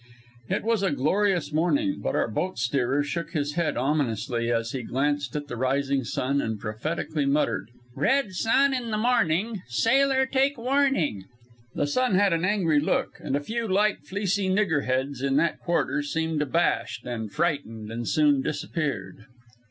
It was a glorious morning, but our boat steerer shook his head ominously as he glanced at the rising sun and prophetically muttered: "Red sun in the morning, sailor take warning." The sun had an angry look, and a few light, fleecy "nigger heads" in that quarter seemed abashed and frightened and soon disappeared.